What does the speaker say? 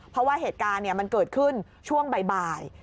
เพราะว่าเหตุการณ์มันเกิดขึ้นช่วงบ่าย